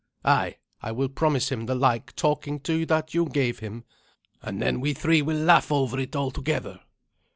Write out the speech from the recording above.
Ay, I will promise him the like talking to that you gave him, and then we three will laugh over it all together."